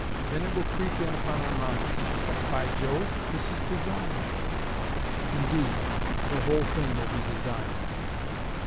Then it will creep in upon our minds, "But, by Jove! This is designed!" Indeed the whole thing will be designed.